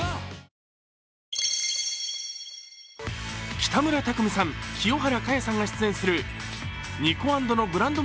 北村匠海さん、清原果耶さんが出演するｎｉｋｏａｎｄ．．．のブランド